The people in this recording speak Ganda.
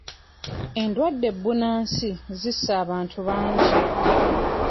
Endwadde bunnansi zisse abantu bangi.